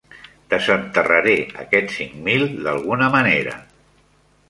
Desenterraré aquests cinc mil d'alguna manera.